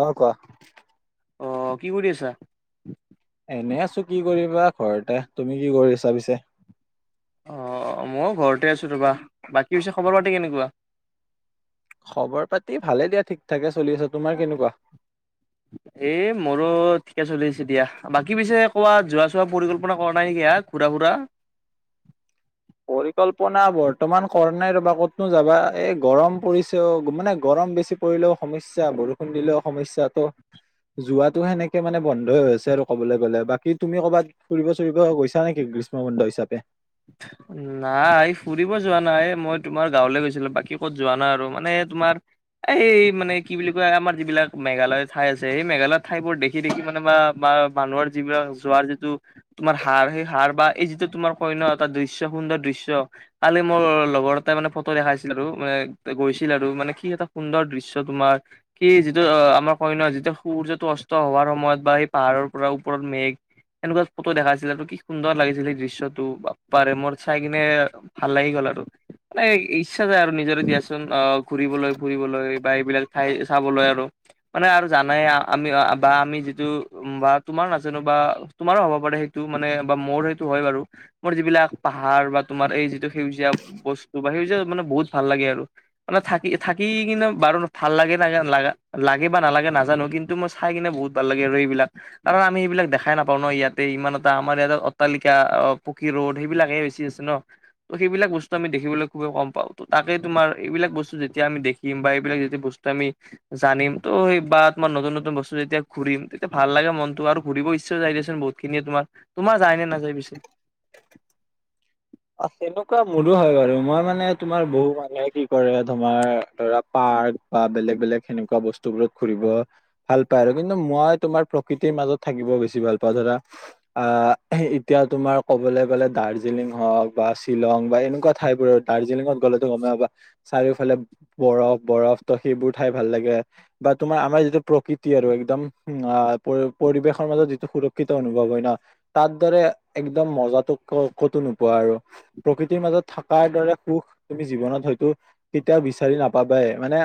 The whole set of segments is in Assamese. অ' কোৱা। অ', কি কৰি আছা? এনে আছো কি কৰিবা ঘৰতে, তুমি কি কৰি চা পিছে? অ', মই ঘৰতে আছো ৰবা, বাকী হৈছে খবৰ পাতি কেনেকুৱা? খবৰ পাতি ভালে দিয়া ঠিক ঠাকে চলি আছে, তোমাৰ কেনেকুৱা? এ, মোৰো ঠিকে চলি আছে দিয়া। বাকী পিছে কোৱা যোৱা চোৱা পৰিকল্পনা কৰা নাই নেকি হা, ঘুৰা ফুৰা। পৰিকল্পনা বৰ্তমান কৰা নাই, ৰবা ক'তনো যাবা এই গৰম পৰিছে, মানে গৰম বেছি কৰিলেও সমস্যা বৰষুণ দিলেও সমস্যয়াতটো যোৱাতটো সেনেকে মানে বন্ধই আ হৈছে আৰু ক'বলৈ গ'লে, বাকী তুমি ক'ৰবাত ফুৰিব চুৰিব গৈছা নেকি, গ্ৰীষ্ম বন্ধ হিচাপে। নাই ফুৰিব যোৱা নাই, মই তোমাৰ গাঁৱলৈ গৈছিলো, বাকী ক'ত যোৱা নাই, আৰু মানে তোমাৰ এই মানে কি বুলি কয় আমাৰ যিবিলাক মেঘালয় ঠাই আছে, সেই মেঘালয়ৰ ঠাই বোৰ দেখি দেখি মানে বা আ মানুহৰ যিবিলাক যোৱাৰ যিটো, তোমাৰ সাৰ সেই সাৰ বা এই যিটো তোমাৰ কয় ন এটা দৃশ্য, সুন্দৰ দৃশ্য। কালি মোৰ লগৰ এটাই মানে ফটো দেখাইছিল আৰু মানে গৈছিল আৰু মানে কি এটা সুন্দৰ দৃশ্য তোমাৰ কি যিটো আমাৰ কয় ন যিটো সূৰ্যটো অস্ত হোৱাৰ সময়ত, বা সেই পাহাৰৰ পৰা ওপৰত মেঘ এনেকুৱা ফটো দেখাইছিলটো কি সুন্দৰ লাগিছিল, সেই দৃশ্যটো বা পাৰে মোৰ চাই কিনে ভাল লাগি গল আৰু। মানে ইচ্ছা যায়, আৰু নিজৰে দিয়াচোন অ', ঘুৰিবলৈ ফুৰিবলৈ বা এইবিলাক ঠাই চাবলৈ আৰু। মানে আৰু জানাই আমি বা আমি যিটো বা তোমাৰ নাজানো বা তোমাৰো হ'ব পাৰে সেইটো মানে বা মোৰ সেইটো হয় বাৰু। মোৰ যিবিলাক, পাহাৰ বা তোমাৰ এই যিটো সেউজীয়া বস্তু বা সেউজীয়া মানে বহুত ভাল লাগে আৰু। মানে থাকি থাকি কিন্ত বাৰু ভাল লাগে না লাগে বা নালাগে নাজানো, কিন্তু মই চাই কিনে বহুত ভাল লাগে আৰু এইবিলাক। কাৰণ আমি এইবিলাক দেখাই নাপাওঁ ন ইয়াতে ইমান এটা আমাৰ ইয়াত অট্টালিকা, অ' পকী ৰ'দ সেইবিলাকহে বেছি আছে ন, সেইবিলাক বস্তু আমি দেখিবলৈ খুবেই কম পাও। তাকেই তোমাৰ, এইবিলাক বস্তু যেতিয়া আমি দেখিম, বা এইবিলাক যেতিয়া বস্তু আমি জানিম টো, সেই বা নতুন, নতুন বস্তু যেতিয়া ঘুৰিম তেতিয়া ভাল লাগে মনতো, আৰু ঘুৰিব ইচ্ছাও যাই দিয়চোন বহুত। খিনিয়ে তোমাৰ, তোমাৰ যায় নে নাযায় পিছে? অ, তেনেকুৱা মোৰো হয় বাৰু, মই মানে তোমাৰ বহু মানুহে কি কৰে তোমাৰ ধৰা, পাৰ্ক বা বেলেগ বেলেগ সেনেকুৱা বস্তু বোৰত ফুৰিব। ভাল পায় আৰু কিন্তু মই তোমাৰ প্ৰকৃতিৰ মাজত থাকিব বেছি ভাল পাওঁ, ধৰা আ, এতিয়া তোমাৰ ক'বলৈ গ'লে দাৰ্জিলিং হওঁক বা শ্বিলং, বা এনেকুৱা ঠাই বোৰ। দাৰ্জিলিঙত গ'লেতো গম পাবা চাৰিওফালে বৰফ, বৰফ ত' সেইবোৰ ঠাই ভাল লাগে। বা তোমাৰ, আমাৰ যিটো প্ৰকৃতি আৰু একদম পৰিৱেশৰ মাজত যিটো সুৰক্ষিত অনুভৱ হয় ন। তাৰ দৰে একদম মজাটো ক, ক'তো নোপোৱা আৰু। প্ৰকৃতিৰ মাজত থকাৰ দৰে সুখ, তুমি জীৱনত হয়তো কেতিয়াও বিচাৰি নাপাবাই মানে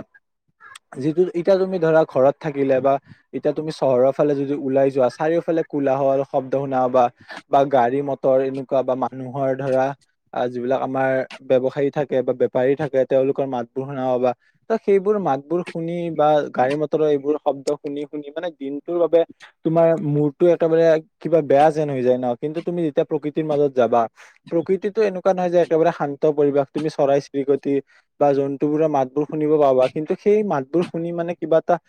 যিটো, এতিয়া তুমি ধৰা ঘৰত থাকিলে বা এতিয়া তুমি চহৰৰ ফালে যদি ওলাই যোৱা, চাৰিওফালে কোলাহল, শব্দ শুনা পাবা বা গাড়ী মটৰ এনেকুৱা বা মানুহৰ ধৰা আহ, যিবিলাক আমাৰ ব্যৱসায়ী থাকে বা বেপাৰী থাকে, তেওঁলোকৰ মাতবোৰ শুনা পাবা। ত, সেইবোৰ মাতবোৰ শুনি বা গাড়ী মটৰৰ এইবোৰ শব্দ শুনি শুনি, মানে দিনটোৰ বাবে তোমাৰ মূৰটো একেবাৰে কিবা বেয়া যেন হৈ যায় ন'! কিন্তু তুমি যেতিয়া প্ৰকৃতিৰ মাজত যাবা প্ৰকৃতিটো এনেকুৱা নহয় যে, একেবাৰে শান্ত পৰিৱেশ। তুমি চৰাই চিৰিকতি বা জন্তুবোৰৰ মাতবোৰ শুনিব পাবা, কিন্তু সেই মাতবোৰ শুনি মানে কিবা এটা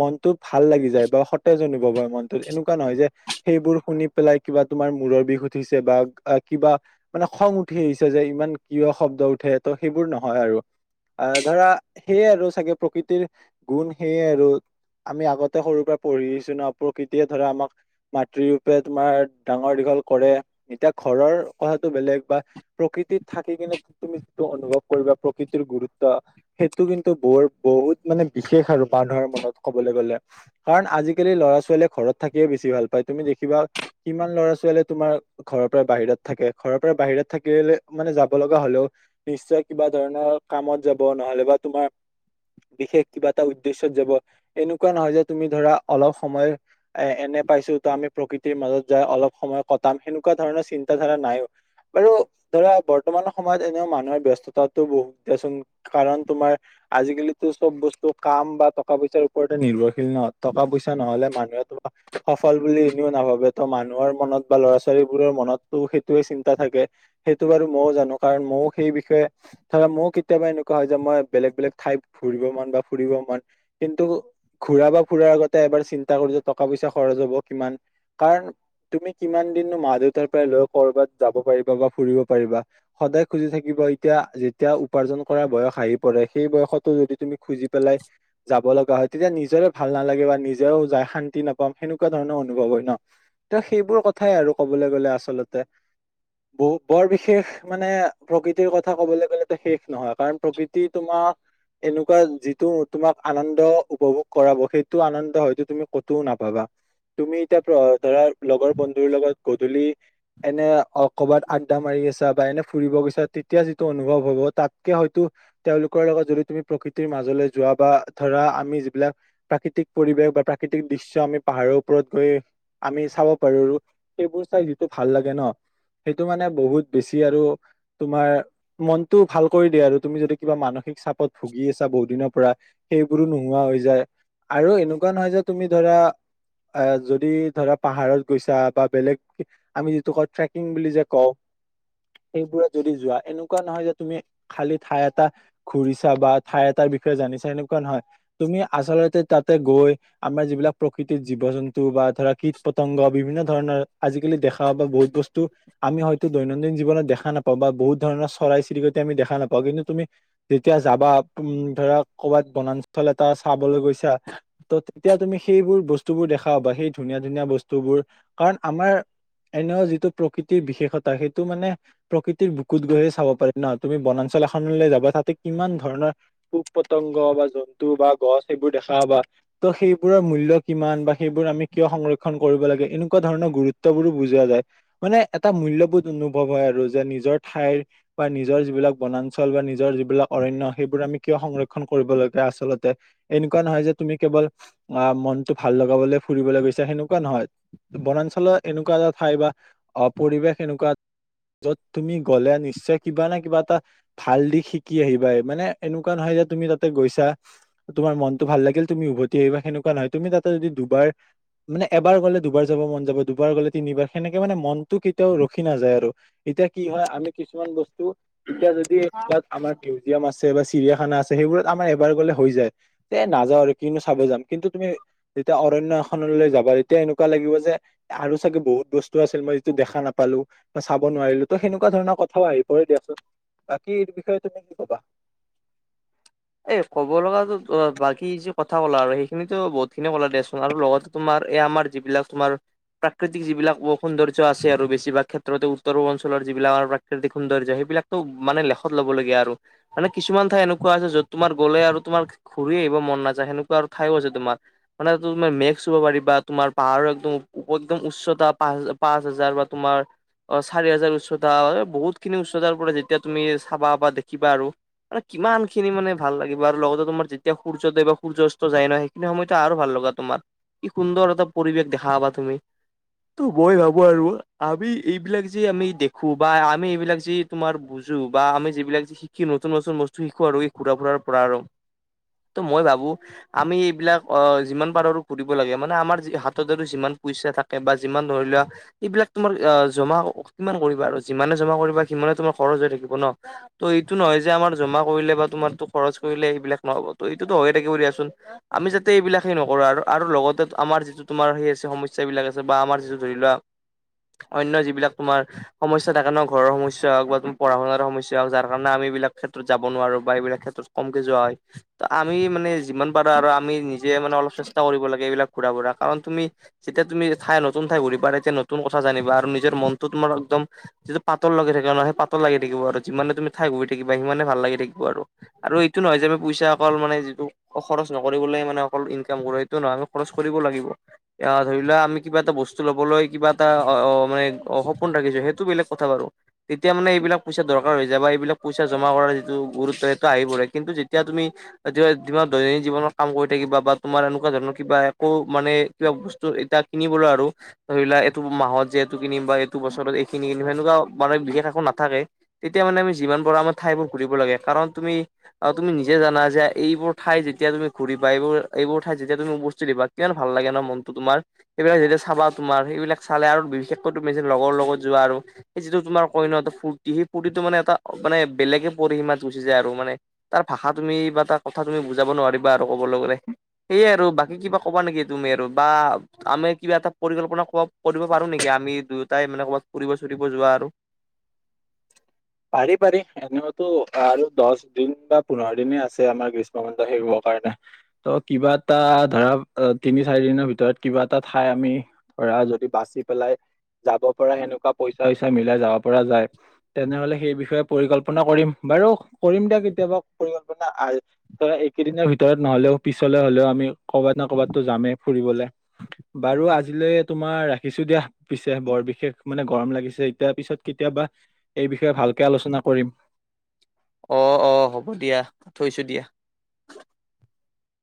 মনটো ভাল লাগি যায় বা সতেজ অনুভৱ হয় মনটোত। এনেকুৱা নহয় যে সেইবোৰ শুনি পেলাই কিবা তোমাৰ মূৰৰ বিষ উঠিছে বা, কিবা মানে খং উঠি আহিছে, যে ইমান কিয় শব্দ উঠে ত, ' সেইবোৰ নহয় আৰু। আহ, ধৰা সেয়ে আৰু চাগে প্ৰকৃতিৰ গুণ সেয়ে আৰু। আমি আগতে সৰুৰ পৰা পঢ়ি আছো ন', প্ৰকৃতিয়ে ধৰা আমাক মাতৃ ৰূপে তোমাৰ ডাঙৰ দীঘল কৰে। এতিয়া ঘৰৰ কথা বেলেগ বা প্ৰকৃতিত থাকি কিনে তুমি যিটো অনুভৱ কৰিবা প্ৰকৃতিৰ গুৰুত্ব সেইটো কিন্তু বৰ বহুত মানে বিশেষ আৰু মানুহৰ মনত ক'বলৈ গ'লে। কাৰণ আজিকালি ল'ৰা ছোৱালীয়ে ঘৰত থাকিয়ে বেছি ভাল পায়। তুমি দেখিবা কিমান ল'ৰা ছোৱালী তোমাৰ ঘৰৰ পৰা বাহিৰত থাকে। ঘৰৰ পৰা বাহিৰত থাকিলে, মানে যাব লগা হলেও নিশ্চয় কিবা ধৰণৰ কামত যাব নহ'লে বা তোমাৰ বিশেষ কিবা এটা উদ্দেশ্যত যাব, এনেকুৱা নহয় যে, তুমি ধৰা অলপ সময় এ, এনে পাইছো ত' আমি প্ৰকৃতিৰ মাজত যাই অলপ সময় কটাম। সেনেকুৱা ধৰণৰ চিন্তাধাৰা নাইও। বাৰু ধৰা, বৰ্তমান সময়ত এনেও মানুহৰ ব্যস্ততাটোও বহুত দিয়াচোন। কাৰণ, তোমাৰ আজিকালিতো চব বস্তু কাম বা টকা পইচাৰ ওপৰতে নিৰ্ভৰশীল নহ। টকা পইচা নহ'লে মানুহে তোমাক সফল বুলি এনেও নাভাবে। ত' মানুহৰ মনত বা ল'ৰা ছোৱালীবোৰৰ মনতটো টোৱে চিন্তা থাকে। সেইটো বাৰু মইও জানো কাৰণ, মইও সেই বিষয়ে ধৰা মোৰো কেতিয়াবা এনেকুৱা হয় যে, মই বেলেগ বেলেগ ঠাইত ঘূৰিব মন বা ফুৰিব মন। কিন্তু ঘূৰা বা ফুৰাৰ আগতে এবাৰ চিন্তা কৰোঁ যে, টকা পইচা খৰচ হ'ব কিমান! কাৰণ তুমি কিমান দিননো মা দেউতাৰ পৰা লৈ কৰ'বাত যাব পাৰিবা বা ফুৰিব পাৰিবা! সদায় খুজি থাকিব, এতিয়া যেতিয়া উপাৰ্জন কৰাৰ বয়স আহি পৰে, সেই বয়সতো যদি তুমি খুজি পেলাই যাব লগা হয় তেতিয়া নিজৰেও ভাল নালাগে বা নিজেও যাই শান্তি নাপাম - সেনেকুৱা ধৰণৰ অনুভৱ হয় ন? ত' সেইবোৰ কথাই আৰু ক'বলৈ গ'লে আচলতে। বহু, বৰ বিশেষ মানে প্ৰকৃতিৰ কথা ক'বলৈ গ'লেটো শেষ নহয়। কাৰণ, প্ৰকৃতি তোমাক এনেকুৱা যিটো তোমাক আনন্দ উপভোগ কৰাব সেইটো আনন্দ হয়তো তুমি ক'তো নাপাবা। তুমি এতিয়া ধৰা, লগৰ বন্ধুৰ লগত গধূলি এনে অ কবাত আড্ডা মাৰি আছা বা এনে ফুৰিব গৈছা, তেতিয়া যিটো অনুভৱ হ'ব তাতকে হয়তো তেওঁলোকৰ লগত যদি তুমি প্ৰকৃতিৰ মাজলৈ যোৱা বা ধৰা, আমি যিবিলাক প্ৰাকৃতিক পৰিৱেশ বা প্ৰাকৃতিক দৃশ্য আমি পাহাৰৰ ওপৰত গৈ আমি চাব পাৰোঁ ৰো, সেইবোৰ চাই যিটো ভাল লাগে ন, সেইটো মানে বহুত বেছি আৰু তোমাৰ মনটো ভাল কৰি দিয়ে আৰু তুমি যদি কিবা মানসিক চাপত ভুগি আছা বহুদিনৰ পৰা সেইবোৰো নোহোৱা হৈ যায় আৰু এনেকুৱা নহয় যে তুমি ধৰা এ, যদি ধৰা পাহাৰত গৈছা বা বেলেগ আমি ত' ট্ৰেকিং বুলি যে কওঁ! সেইবোৰত যদি যোৱা, এনেকুৱা নহয় যে তুমি খালি ঠাই এটা ঘূৰিছা বা ঠাই এটাৰ বিষয়ে জানিছা এেনেকুৱা নহয়, তুমি আচলতে তাতে গৈ আমাৰ যিবিলাক প্ৰকৃতিৰ জীৱ জন্তু বা ধৰা কীট পতংগ বিভিন্ন ধৰণৰ আজিকালি দেখা বহুত বস্তু আমি হয়তো দৈনন্দিন জীৱনত দেখ নাপাওঁ বা বহুত ধৰণৰ চৰাই চৰিকটি আমি দেখা নাপাওঁ, কিন্তু তুমি যেতিয়া যাবা উম, ধৰা ক'বাত বনাঞ্চল এটা চাবলৈ গৈছা। ত' তেতিয়া তুমি সেইবোৰ বস্তুবোৰ দেখা পাবা, সেই ধুনীয়া, ধুনীয়া বস্তুবোৰ কাৰণ আমাৰ এনেও যিটো প্ৰকৃতিৰ বিশেষতা সেইটো মানে প্ৰকৃতিৰ বুকুত গৈয়ে চাব পাৰি ন, তুমি বনাঞ্চল এখনলৈ যাবা তাতে কিমান ধৰণৰ পোক পতংগ বা জন্তু বা গছ এইবোৰ দেখা পাবা। ত' সেইবোৰৰ মূল্য কিমান বা সেইবোৰ আমি কিয় সংৰক্ষণ কৰিব লাগে, এনেকুৱা ধৰণৰ গুৰুত্ববোৰো বুজোৱা যায়। মানে এটা মূল্যবোধ অনুভৱ হয়, আৰু যে নিজৰ ঠাইৰ বা নিজৰ যিবিলাক বনাঞ্চল বা নিজৰ যিবিলাক অৰণ্য সেইবোৰ আমি কিয় সংৰক্ষণ কৰিব লাগে আচলতে! এনেকুৱা নহয় যে তুমি কেৱল অ', মনটো ভাল লগাবলৈ ফুৰিবলৈ গৈছা সেনেকুৱা নহয়। বনাঞ্চলৰ এনেকুৱা এটা ঠাই বা অহ, পৰিৱেশ এনেকুৱা য'ত তুমি গ'লে নিশ্চয় কিবা নাই কিবা এটা ভাল দিশ শিকি আহিবায়ে। মানে এনেকুৱা নহয় যে তুমি তাতে গৈছা তোমাৰ মনতটো ভাল লাগিল তুমি উভতি আহিবা সেনেকুৱা নহয়, তুমি তাতে যদি দুবাৰ মানে এবাৰ গ'লে দুবাৰ যাব মন যাব। দুবাৰ গ'লে তিনিবাৰ, সেনেকে মানে মনতো কেতিয়াও ৰখি নাযায় আৰু এতিয়া কি হয়, আমি কিছুমান বস্তু এতিয়া যদি ক'ৰবাত আমাৰ মিউজিয়াম আছে বা চিৰিয়াখানা আছে সেইবোৰত আমাৰ এবাৰ গ'লে হৈ যায়। এ, নাযাওঁ আৰু কিনো চাব যাম কিন্তু তুমি তেতিয়া অৰণ্য এখনলৈ যাবা তেতিয়া এনেকুৱা লাগিব যে আৰু চাগে, বহুত বস্তু আছিল মই যিটো দেখা নাপালোঁ। চাব নোৱাৰিলোঁ ত' সেনেকুৱা ধৰণৰ কথাও আহি পৰে দিয়াচোন, বাকী এই বিষয়ে তুমি কি ক'বা? এ, ক'ব লগাতো বাকী যি কথা ক'লা আৰু সেইখিনিটো বহুতখিনিয়ে ক'লা দেচোন আৰু লগত তোমাৰ এই আমাৰ যিবিলাক তোমাৰ প্ৰাকৃতিক যিবিলাক সৌন্দৰ্য আছে আৰু বেছিভাগ ক্ষেত্ৰতে উত্তৰ পূৰ্বঞ্চলৰ যিবিলাকৰ প্ৰাকৃতিক সৌন্দৰ্য সেইবিলাকটো মানে লেখত ল'বলগীয়া আৰু মানে কিছুমান ঠাই এনেকুৱা আছে য'ত তোমাৰ গ'লে আৰু তোমাৰ ঘূৰি আহিব মন নাযায়, সেনেকুৱা আৰু ঠাইও আছে তোমাৰ। মানে তুমি [unintelligible] পাৰিবা, তোমাৰ পাহাৰৰ একদম, একদম উচ্চতা পাচ-পাঁচ হাজাৰ বা তোমাৰ অ', চাৰি হাজাৰ উচ্চতা ঐ, বহুতখিনি উচ্চতাৰ পৰা যেতিয়া তুমি চাবা বা দেখিবা আৰু আৰে কিমানখিনি মানে ভাল লাগিব আৰু লগতে তোমাৰ যেতিয়া সূৰ্য উদয় বা সূৰ্য্য অস্ত যায় ন, সেইখিনি সময়তো আৰু ভাল লগা তোমাৰ। কি সুন্দৰ এটা পৰিৱেশ দেখা পাবা তুমি। তো মই ভাবো আৰু আমি এইবিলাক যি আমি দেখো বা আমি এইবিলাক যি তোমাৰ বুজো বা আমি যিবিলাক [unintelligible] শিকি নতুন, নতুন বস্তু শিকো আৰু এই ঘুৰা ফুৰাৰ পৰা আৰু ত' মই ভাবো আমি এইবিলাক অ', যিমান পাৰোঁ ঘুৰিব লাগে মানে আমাৰ হাতত আৰু যিমান পইচা থাকে বা যিমান ধৰি লোৱা এইবিলাক তোমাৰ জমা কিমান কৰিবা আৰু যিমানে জমা কৰিবা সিমানে তোমাৰ খৰচ হৈ থাকিব ন! ত' এইটো নহয় যে আমাৰ জমা কৰিলে বা তোমাৰতো খৰচ কৰিলে এইবিলাক নহ'ব, ত 'এইটোতো হৈয়ে থাকিব দিয়াচোন।। আমি যাতে এইবিলা সেই নকৰো আৰু, আৰু লগতে আমাৰ য তোমাৰ সেই আছে সমস্্যাাবলাক আছে বা, আমাৰ যিটো ধৰি লোৱা, অন্য যিবিলাক তোমাৰ সমস্যা থাকে ন, ঘৰৰ সমস্যা হওক বা তোমাৰ পঢ়া শুনাৰ সমস্যা হওক, যাৰ কাৰণে আমি বিলাক ক্ষেত্ৰত যাব নোৱাৰো। বিলাক ক্ষেত্ৰত কমকে যোৱা হয়, ত আমি মানে যিমান পাৰো আৰু আমি নি যিয়ে মানে অলপ চেষ্টা কৰিব লাগে, এইবিলাক ঘূৰা ফুৰা কাৰণ তুমি যেতিয়া তুমি ঠাই নতুন ঠাই ঘূৰিবা, তেতিয়া নতুন কথা জানিবা আৰু নিজৰ মনতো তোমাৰ একদম যিটো পাতল লাগি থাকে ন, সেই পাতল লাগি থাকিব আৰু যিমানে তুমি ঠাই গৈ থাকা, সিমানে ভাল লাগি থাকিব। আৰু, আৰু এইটো নহয় যে আমি পইচা অকল মানে যিটো খৰচ নকৰিবলে মানে অকল ইনকাম কৰো, সেইটো নহয় আমি খৰচ কৰিব লাগিব। এ ধৰি লোৱা, আমি কিবা এটা বস্তু লবলৈ কিবা এটা অ' মানে সপোন ৰাখিছো, সেইটো বেলেগ কথা বাৰু। তেতিয়া মানে এইবিলাক পইচা দৰকাৰ হৈ যায়, বা এইবিলাক পইচা জমা কৰাৰ যিটো গুৰুত্ব সেটো আহি পৰে, কিন্তু যেতিয়া তুমি মান দৈনন্দিন জীৱনত কাম কৰি থাকিবা বা তোমাৰ এনেকুৱা ধৰণৰ কিবা একো মানে কিবা বস্তু এতিয়া কিনিবলৈ আৰু। ধৰি লোৱা এইটো মাহত যে এইটো কিনিম বা এইটো বছৰত এইখিনি কিনিম, সেনেকুৱা মানে বিশেষ একো নাথাকে। এতিয়া মানে আমি যিমান পাৰো, আমাৰ ঠাইবোৰ ঘূৰিব লাগে, কাৰণ তুমি আৰু তুমি নিজে জানা যে এইবোৰ ঠাই যেতিয়া তুমি ঘূৰিবা এইবোৰ, এইবোৰ ঠাইত যেতিয়া তুমি বস্তু দিবা কিমান ভাল লাগে ন মনটো তোমাৰ। এইবিলাক যেতিয়া চাবা তোমাৰ সেইবিলাক চালে আৰু বিশেষকৈ তুমি লগৰ লগত যোৱা আৰু। সেই যিটো তোমাৰ কইন এটা ফূৰ্তি, সেই ফূৰ্তিটো মানেটো বেলেগে পৰিসীমাত গুচি যায়, আৰু মানে তাৰ ভাষা তুমি বা তাৰ কথা তুমি বুজাব নোৱাৰিবা আৰু কবলৈ গ'লে। সেয়ে আৰু বাকী কিবা কবা নেকি তুমি আৰু বা আমি কিবা এটা পৰিকল্পনা কৰিব পাৰো, নেকি আমি দুয়োটাই মানে কৰবাত ফুৰিব ফুৰিব যোৱা আৰু। পাৰি পাৰি, এনেওতো আৰু দহ দিন বা পোন্ধৰ দিনে আছে, আমাৰ গ্ৰীষ্মৰ বন্ধ শেষ হবৰ কাৰণে। ত' কিবা এটা ধৰা, তিনি চাৰি দিনৰ ভিতৰত কিবা এটা ঠাই আমি ধৰা যদি বাচি পেলাই যাব পৰা সেনেকুৱা পইচা উইচা মিলাই যাব পৰা যায়, তেনেহলে সেই বিষয়ে পৰিকল্পনা কৰিম, বাৰু কৰিম দিয়া কেতিয়াবা পৰিকল্পনা ধ একেইদিনৰ ভিতৰত নহলেও পিছলে হলেও আমি কৰ'বাত ন কৰ'ৰবাতো যামেই ফুৰিবলে, বাৰু আজিলৈ তোমাৰ ৰাখিছো দিয়া। পিছে বৰ বিশেষ মানে গৰম লাগিছে, এতিয়া পিছত কেতিয়াবা এই বিষয়ে ভালকে আলোচনা কৰিম। অ' অ' হ'ব দিয়া, প থৈছো দিয়া।